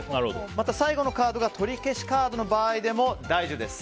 また、最後のカードがとりけしカードの場合でも大丈夫です。